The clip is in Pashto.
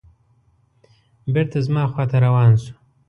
بېرته زما خواته روان شو.